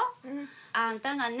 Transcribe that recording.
あんたがね